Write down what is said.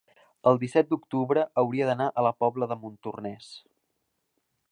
el disset d'octubre hauria d'anar a la Pobla de Montornès.